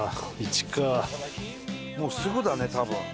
もうすぐだね多分。